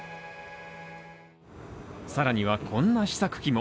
さらにはこんな試作機も。